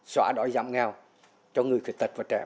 xóa đòi giảm nghèo cho người khuyết tật và trẻ mồ côi